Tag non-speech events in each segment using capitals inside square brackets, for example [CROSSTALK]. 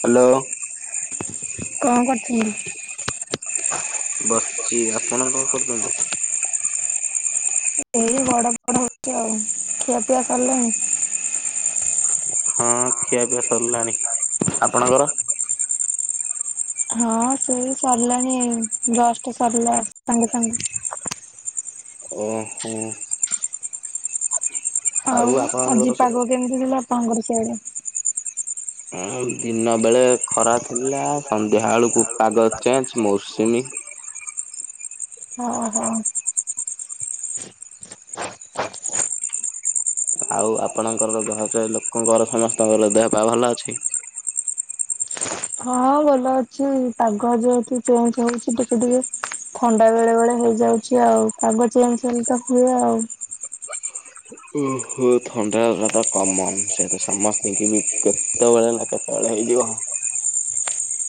Hello. କଣ କରୁଚୁ? ବସିଚି ଆପଣ କଣ କରୁଚନ୍ତି? ଏଇ ଗଡ ପଡ ହଉଚି ଆଉ। ଖିଆ ପିଆ ସରିଲାଣି? ହଁ ଖିଆ ପିଆ ସରିଲାଣି। ଆପଣଙ୍କର? ହଁ ସେ ସରିଲାଣି ଜଷ୍ଟ୍ ସରିଲା ସାଙ୍ଗେ ସାଙ୍ଗେ। ଓହୋ ଆଉ ଆପଣଙ୍କର ଆଜି ସ ପାଗ କେମିତି ଥିଲା। ଆପଣଙ୍କର ସିଆଡେ? ଏ ଦିନ ବେଳେ ଖରା ଥିଲା ସନ୍ଧ୍ୟା ବେଳକୁ ପାଗ ଚେଞ୍ଜ୍ ମୌସୁମୀ ଓହୋ ଆଉ ଆପଣଙ୍କର ଘରେ ଲୋକଙ୍କର ସମସ୍ତଙ୍କର ଦେହ ପା ଭଲ ଅଛି? ହଁ ଭଲ ଅଛି ପାଗ ଯେହେତୁ ଚେଞ୍ଜ୍ ହଉଚି ଟିକେ ଟିକେ ଥଣ୍ଡା ବେଳେ ବେଳେ ହେଇଯାଉଚି। ଚି ଆଉ ପାଗ ଚେଞ୍ଜ୍ ହେଲେ ତ ହୁଏ ଆଉ। ଓ ହୋ ଥଣ୍ଡା ହେବା ତ କମନ୍ ସେତ ସମସ୍ତିଙ୍କି ବି ସେତବେଳେ ଲକ୍ଷେ ପରେ ହେଇଯିବ।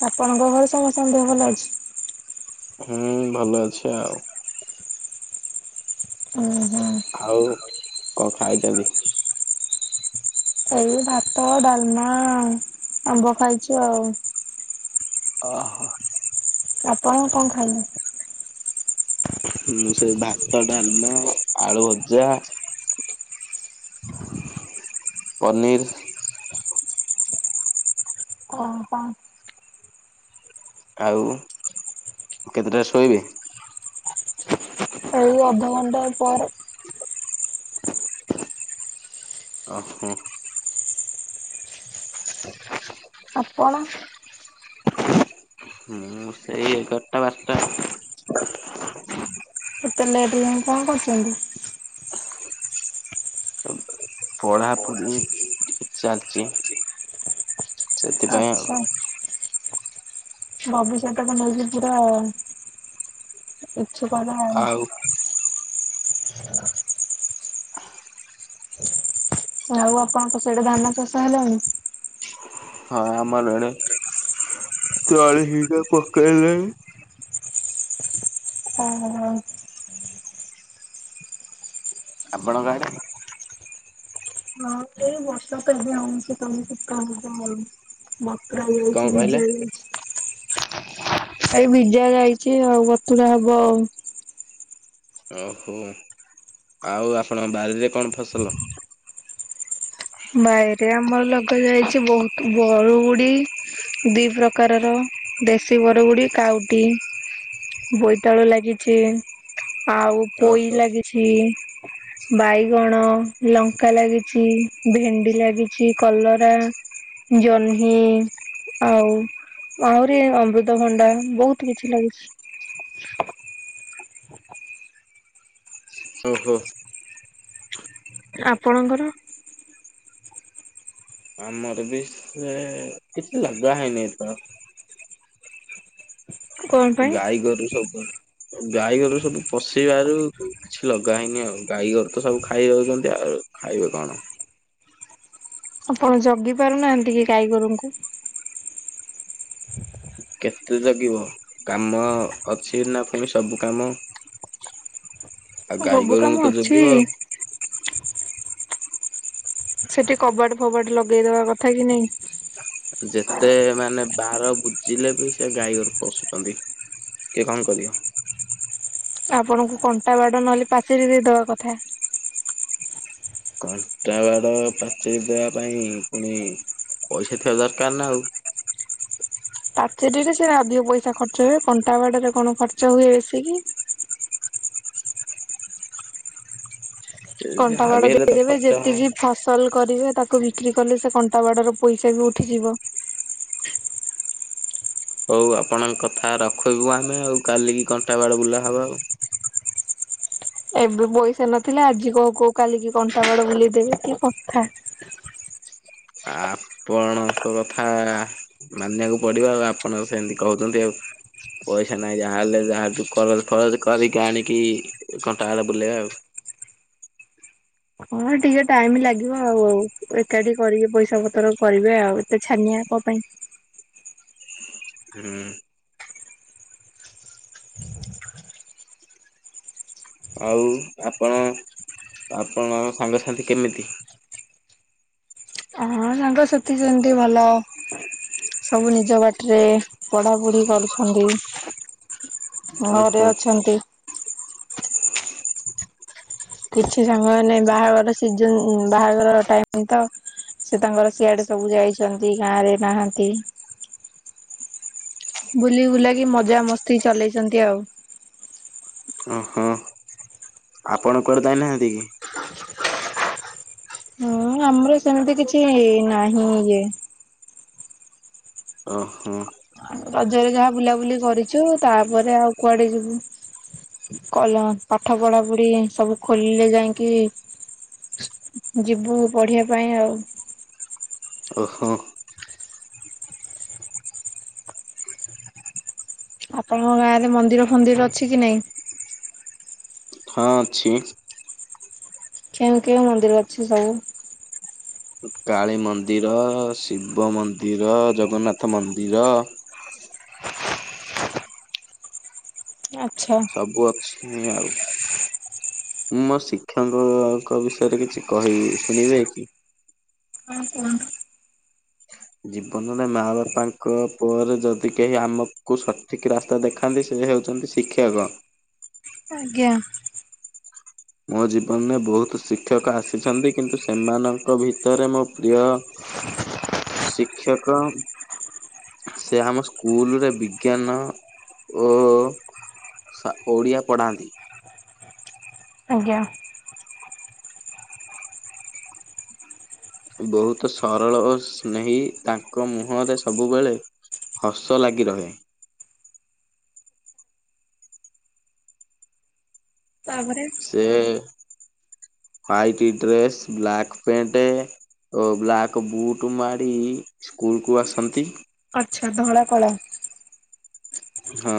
ଆପଣଙ୍କ ଘରେ ସମସ୍ତଙ୍କ ଦେହ ଭଲ ଅଛି। ହୁଁ ଭଲ ଅଛି ଆଉ। ଓହୋ ଆଉ କ'ଣ ଖାଇଚନ୍ତି? ଏଇ ଭାତ, ଡାଲମା, ଆମ୍ବ ଖାଇଚି ଆଉ। ଓହୋ ଆପଣ କ'ଣ ଖାଇବେ? ମୁଁ ସେଇ ଭାତ, ଡାଲମା, ଆଳୁ ଭଜା ପନିର୍। ଆଉ କ'ଣ? ଆଉ କେତେଟାରେ ଶୋଇବେ? ଆଉ ଅଧ ଘଣ୍ଟାଏ ପରେ। ଓହୋ। ଆପଣ? ମୁଁ ସେଇ ଏଗାର୍ ଟା ବାର୍ ଟା। ଏତେ ଲେଟ୍ ଯାଏ କ'ଣ କରୁଚନ୍ତି? ପଢାପଢି ଟିକେ ଚାଲିଚି ସେଥିପାଇଁ ଆଉ। ଆଚ୍ଛା ଭବିଷ୍ୟତକୁ ନେଇକି ପୁରା ଇଚ୍ଛୁକ ଆଉ। ଓହୁ [UNINTELLIGIBLE] ଆଉ ଆପଣଙ୍କ ସାଡେ ଧାନ ଚାଷ ହେଲାଣି? ହଁ ଆମରଡେ ତଳେ ହିଡ ପକେଇଲେ। ଓହୋ ଆପଣଙ୍କ ଆଡେ? ହଁ ସେଇ ବ [UNINTELLIGIBLE] ସେ ତମକୁ [UNINTELLIGIBLE] ବକରା କଣ ନେଉଚି ମୁଁ କହିଲେ? ଜାଣିଚି। ଏଇ ବିଜା ଯାଇଛି ଆଉ ବତୁରା ହବ। ଓହୋ ଆଉ ଆପଣଙ୍କ ବାରିରେ କ'ଣ ଫସଲ? ବାଇରେ ଆମର ଲଗା ଯାଇଛି ବହୁତ ବରୁଡି। ଦି ପ୍ରକାରର ଦେଶୀ ବର ଗୁଡି କାଉଟି। ବୋଇତାଳୁ ଲାଗିଛି ଆଉ ପୋଇ ଓହୋ ଲାଗିଛ। ଇ ବାଇଗଣ ଲଙ୍କା ଲାଗିଛି। ଭେଣ୍ଡି ଲାଗିଛି କଲରା ଜହ୍ନି ଆଉ ଆହୁରି ଅମୃତଭଣ୍ଡା ବହୁତ କିଛି ଲାଗୁଛି। ଓହୋ। ଆପଣଙ୍କର? ଆମର ବି ସେ କିଛି ଲଗା ହେଇନି ତ। କଣ ପାଇଁ ଗାଈଗୋରୁ ସବୁ। ଗାଈ ଘରୁ ସବୁ ପଶିବାରୁ କିଛି ଲଗା ହେଇନି, ଆଉ ଗାଈ ଗରୁ ତ ସବୁ ଖାଇ ଯାଉଛନ୍ତି ଆଉ। ଖାଇବେ କଣ? ଆପଣ ଜଗି ପାରୁନାହାନ୍ତି କି ଗାଈଗୋରୁଙ୍କୁ? କେତେ ଜଗିବ? କାମ ଅଛି ନା ଫୁଣି ସବୁ କାମ। ଆଉ ଗାଈ ହବୁ ଗୋରୁଙ୍କୁ କାମ ତ ଅଛି। ଜଗିବ। ସେଠି କବାଟ ଫବାଟ ଲଗେଇଦବା କଥା କି ନାଇଁ? ଯେତେ ମାନେ ବାର ବୁଯିଲେ ବି ସେ ଗାଈ ଗୋରୁ ପସୁଛନ୍ତି। କିଏ କଣ କରବ। ଆପଣଙ୍କୁ କଣ୍ଟା ବାଡ଼ ନହେଲେ ପାଚେରି ଦେଇଦବା କଥା। କଣ୍ଟା ବାଡ ପାଚେଇ ଦେବା ପାଇଁ ପୁଣି ପଇସା ଥିବା ଦରକାର ନା ଆଉ। ପାଚେରିରେ ସେରା ଅଧିକ ପଇସା ଖର୍ଚ୍ଚ ହୁଏ, କଣ୍ଟା ବାଡରେ କଣ ଖର୍ଚ୍ଚ ହୁଏ ବେଶି କି? କଣ୍ଟା ଯାହାବି ବାଡ ହେଲେ ତ ଦେଇଦେବେ ଖର୍ଚ୍ଚ ହବ। ଯେତିକି ଫସଲ କରିବେ ତାକୁ ବିକ୍ରି କଲେ ସେ କଣ୍ଟା ବାଡର ପଇସା ବି ଉଠିଯିବ। ହଉ ଆପଣଙ୍କ କଥା ରଖିବୁ ଆମେ, ଆଉ କାଲିକି କଣ୍ଟା ବାଡ ବୁଲା ହବା ଆଉ। ଏବେ ପଇସା ନଥିଲା ଆଜି କ-କୋଉ କାଲିକି କଣ୍ଟା ବାଡ ବୁଲେ ଦେବେ କି କଥା। ଆପଣଙ୍କ କଥା ମାନିବାକୁ ପଡିବ ଆଉ ଆପଣ ସେମତି କହୁଛନ୍ତି ଆଉ। ପଇସା ନାହିଁ ଯାହେଲେ ଯାହାଠୁ କରଜ ଫରଜ କରିକି ଆଣିକି କଣ୍ଟାଡ ବୁଲେବା ଆଉ। ହଁ ଟିକେ ଟାଇମ ଲାଗିବ ଆଉ-ଆଉ ଏକାଠି କରିକି ପଇସା ପତର କରିବେ, ଆଉ ଏତେ ଛାନିଆ କଁ ପାଇଁ? ଉଁ। ଆଉ ଆପଣ, ଆପଣ ସାଙ୍ଗସାଥି କେମିତି? ହଁ ସାଙ୍ଗ ସେଥି ସେମ୍ତି ଭଲ। ସବୁ ନିଜ ବାଟରେ ପଢା ପଢି କରୁଛନ୍ତି। ଘଅରେ ଓହୋ ଅଛନ୍ତି। କିଛି ସାଙ୍ଗ ମାନେ ବାହାଘର ସିଜନ ବାହାଘର ଟାଇମ ତ ସେ ତାଙ୍କର ସିଆଡ଼େ ସବୁ ଯାଇଛନ୍ତି, ଗାଁ ରେ ନାହାନ୍ତି। ବୁଲି ବୁଲାକି ମଜା ମସ୍ତି ଚଲେଇଛନ୍ତି ଆଉ। ଓ ହଁ ଆପଣ କୁଆଡେ ଯାଇନାହାନ୍ତି କି? ହୁଁ ଆମର ସେମତି କିଛି ନାହିଁ ଇଏ ଓ ହଁ ରଜରେ ଯାହା ବୁଲାବୁଲି କରିଛୁ ତାଆପରେ ଆଉ କୁଆଡ଼େ ଯିବୁ? କଲ ହଁ ପାଠ ପଢ଼ା ପୁଢ଼ି ସବୁ ଖୋଲିଲେ ଯାଇଁକି ଯିବୁ ପଢ଼ିଆ ପାଇଁ ଆଉ ଓ ହୋ। ଆପଣଙ୍କ ଗାଁ ରେ ମନ୍ଦିର ଫନ୍ଦିର ଅଛି କି ନାଇଁ? ଅଁଛିଁ। କେଉଁ କେଉଁ ମନ୍ଦିର ଅଛି ସବୁ? ଉ କାଳୀ ମନ୍ଦିର, ଶିବ ମନ୍ଦିର, ଜଗନ୍ନାଥ ମନ୍ଦିର। ଆଚ୍ଛା। ସବୁ ଅଛିଁ ଆଉ। ମୁଁ ମୋ ଶିକ୍ଷକ ଙ୍କ ବିଷୟରେ କିଛି କହିବି ଶୁଣିବେ କି? ହଁ କୁଅନ୍ତୁ। ଜୀବନରେ ମା ବାପାଙ୍କ ପରେ ଯଦି କେହି ଆମକୁ ସଠିକ୍ ରାସ୍ତା ତା ଦେଖାନ୍ତି ସେ ହେଉଛନ୍ତି ଶିକ୍ଷକ। ଆଜ୍ଞା। ମୋ ଜୀବନରେ ବହୁତୁ ଶିକ୍ଷକ ଆସିଛନ୍ତି କିନ୍ତୁ ସେମାନଙ୍କ ଭିତରେ ମୋ ପ୍ରିୟ ଶିକ୍ଷକ ସେ ଆମ ସ୍କୁଲ୍ ରେ ବିଜ୍ଞାନ ଓ ସା ଓଡିଆ ପଢାନ୍ତି। ଆଜ୍ଞା। ବହୁତ ସରଳ ଓ ସ୍ନେହୀ ତାଙ୍କ ମୁହଁରେ ସବୁବେଳେ ହସ ଲାଗି ରହେ। ତାପରେ ଏ ହ୍ଵାଇଟ୍ ଡ୍ରେସ୍ ବ୍ଲାକ୍ ପେଣ୍ଟ। ଓ ବ୍ଲାକ୍ ବୁଟୁ ମାଡ଼ି ସ୍କୁଲକୁ ଆସନ୍ତି। ଆଚ୍ଛା ଧଳା କଳା। ହଁ।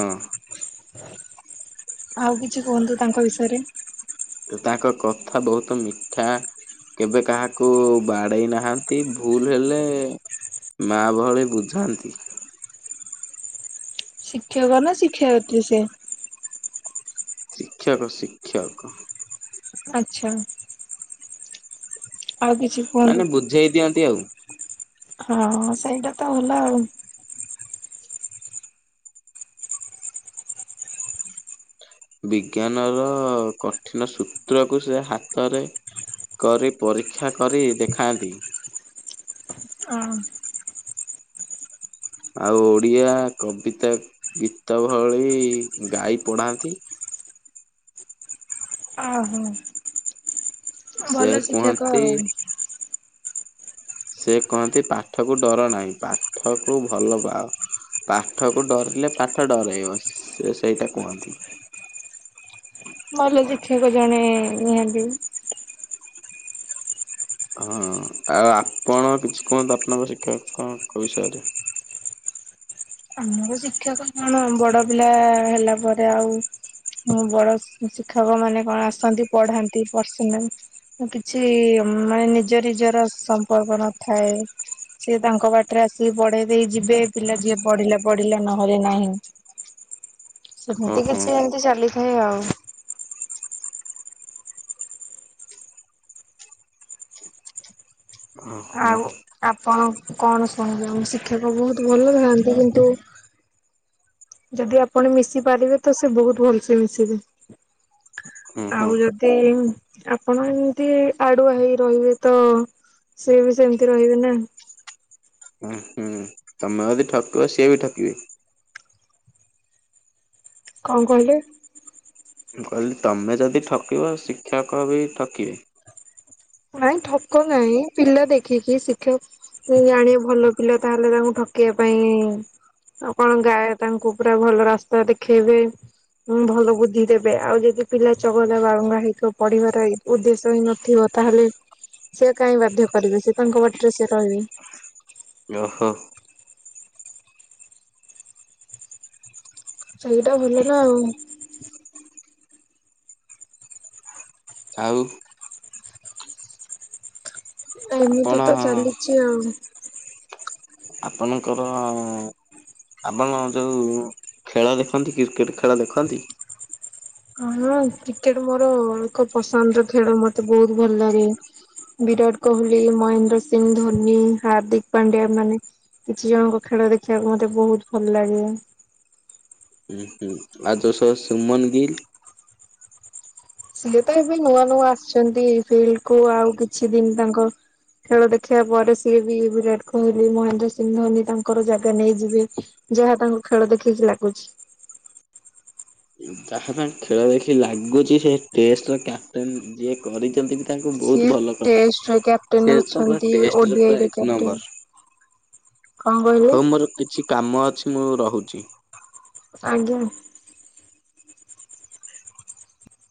ଆଉ କିଛି କୁହନ୍ତୁ ତାଙ୍କ ବିଷୟରେ। ତ ତାଙ୍କ କଥା ବହୁତ ମିଠା। କେବେ କାହାକୁ ବାଡେଇ ନାହାନ୍ତି ଭୁଲ ହେଲେ ମା ଭଳି ବୁଝାନ୍ତି। ଶିକ୍ଷକ ନା ଶିକ୍ଷୟତ୍ରି ସେ? ଶିକ୍ଷକ ଶିକ୍ଷକ। ଆଚ୍ଛା। ଆଉ କିଛି କୁହନ୍ତୁ। ମାନେ ବୁଝେଇ ଦିଅନ୍ତି ଆଉ। ହଁ ସେଇଟା ତ ଭଲ ଆଉ। ବିଜ୍ଞାନ ର କଠିନ ସୂତ୍ରକୁ ସେ ହାତରେ କରି ପରୀକ୍ଷା କରି ଦେଖାନ୍ତି। ଆ। ଆଉ ଓଡ଼ିଆ କବିତା ଗୀତ ଭଳି ଗାଇ ପଢାନ୍ତି। ଆ ହଁ। ଅ ସେ ଭଲ ଶିକ୍ଷକ କୁହନ୍ତି ଆଉ। ସେ କଅନ୍ତି ପାଠ କୁ ଡର ନାଇ ପାଠକୁ ଭଲ ପାଅ। ପାଠକୁ ଡରିଲେ ପାଠ ଡରେଇବ ସେ ସେଇଟା କୁହନ୍ତି। ମଲ ଶିକ୍ଷକ ଜଣେ ନିହାନ୍ତି। ହଁ ଆଉ ଆପଣ କିଛି କୁହନ୍ତୁ ଆପଣଙ୍କ ଶିକ୍ଷକଙ୍କ ବିଷୟରେ। ଆମର ଶିକ୍ଷକ କଣ ବଡ ପିଲା ହେଲା ପରେ ଆଉ ହଁ ବଡ ସି ଶିକ୍ଷକ ମାନେ କଣ ଆସନ୍ତି ପଢାନ୍ତି ପର୍ସନାଲ। ଉ କିଛି ମାନେ ନିଜ ନିଜର ସମ୍ପର୍କ ନଥାଏ। ସିଏ ତାଙ୍କ ବାଟରେ ଆସିକି ପଢେଇ ଦେଇ ଯିବେ ପିଲା ଯିଏ ପଢିଲା ପଢିଲା ନହେଲେ ନାହିଁ ସେମିତି ଓହୋ କିଛି ଏମିତି ଚାଲିଥାଏ ଆଉ ଓହୋ। ଆଉ ଆପଣ କଣ ଶୁଣିବେ ଆ ଶିକ୍ଷକ ବହୁତ ଭଲ ଥାଆନ୍ତି କିନ୍ତୁ ଯଦି ଆପଣ ମିଶି ପାରିବେ ତ ସେ ବହୁତ ଭଲସେ ମିଶିବେ ହୁଁ ହୁଁ ଆଉ ଯଦି ଆପଣ ଏମିତି ଆଡୁଆ ହେଇ ରହିବେ ତ ସି ବି ସେମିତି ରହିବେ ନା ହୁଁ ହୁଁ। ଦି ଠକିବ ସିଏ ବି ଠକିବେ। କଣ କହିଲେ? ମୁଁ କହିଲି ତମେ ଯଦି ଠକିବ ଶିକ୍ଷକ ବି ଠକିବେ। ନାଇଁ ଠକ ନାହିଁ ପିଲା ଦେଖିକି ଶିକ୍ଷକ। ଜାଣିବା ଭଲ ପିଲା ତାହେଲେ ତାଙ୍କୁ ଠକେଇିବା ପାଇଁ ଆଉ କଣ ଗାଏ ତାଙ୍କୁ ପୁରା ଭଲ ରାସ୍ତା ଦେଖେଇବେ ହୁଁ ଭଲ ବୁଦ୍ଧି ଦେବେ ଆଉ ଯଦି ପିଲା ଚଗଲା ବାଳୁଙ୍ଗା ହେଇକିବ ପଢିବାର ଉଦ୍ଦେଶ୍ୟ ହିଁ ନଥିବ ତାହେଲେ ସେି କାଇହିଁ ବାଧ୍ୟ କରିବେ ସେ ତାଙ୍କ ବାଟରେ ସେ ରହିବେ। ଓହୋ। ସେଇଟା ଭଲ ନା ଆଉ। ଆଉ ଏମିତି ଆପଣ ତ ଚାଲିଛି ଆଉ। ମନେକର ଆଉଁ ଆପଣ ଯୋଉ ଖେଳ ଦେଖନ୍ତି କ୍ରିକେଟ ଖେଳ ଦେଖନ୍ତି? ହଁ କ୍ରିକେଟ ମୋର ଏକ ପସନ୍ଦର ଖେଳ ମତେ ବହୁତ ଭଲ ଲାଗେ। ବିରାଟ କୋହଲି ମହେନ୍ଦ୍ର ସିଂହ ଧୋନି ହାର୍ଦ୍ଦିକ ପାଣ୍ଡ୍ୟାଆ ମାନେ ଝିଅଙ୍କ ଖେଳ ଦେଖିବାକ ମତେ ବହୁତ ଭଲ ଲାଗେ। ହୁଁ ହୁଁ ଆ ଯଷ ସୁମନ ଗିିଲ୍ ସିଏ ତ ଏବେ ନୂଆ ନୂଆ ଆସିଛନ୍ତି ଫିଲ୍ଡ କୁ ଆଉ କିଛି ଦିନ ତାଙ୍କ ଖେଳ ଦେଖିବା ପରେ ସିଏ ବି ବିରାଟ କୋହଲି ମହେନ୍ଦ୍ର ସିଂହ ଧୋନି ତାଙ୍କର ଜାଗା ନେଇଯିବେ। ଯାହା ତାଙ୍କୁ ଖେଳ ଦେଖିକି ଲାଗୁଛି। ଯାହା ପାଇଁ ଖେଳ ଦେଖି ଲାଗୁଛି ସେ ଟେଷ୍ଟର କ୍ୟାପ୍ଟେନ୍ ଯିଏ କରିଛନ୍ତି ତାଙ୍କୁ ବହୁତ ସିଏ ଭଲ କରି ଟେଷ୍ଟ ସେ କ୍ୟାପଟେନ ତ ପୁରା ଅଛନ୍ତି ଟେଷ୍ଟରେ ପୁରା ଓଡିଆଇରେ ଏକ କ୍ୟାପଟେନ୍। ନମ୍ବର। କଅଁ କହିଲି ହଉ ମୋର କିଛି କାମ ଅଛି ମୁଁ ରହୁଛି। ଆଜ୍ଞା।